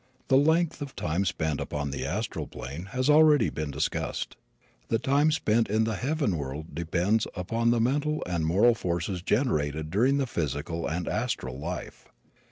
The length of time spent upon the astral plane has already been discussed. The time spent in the heaven world depends upon the mental and moral forces generated during the physical and astral life.